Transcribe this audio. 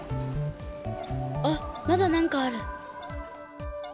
あっまだなんかある。